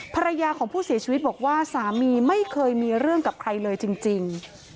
ภรรยาของผู้เสียชีวิตบอกว่าสามีไม่เคยมีเรื่องกับใครเลยจริง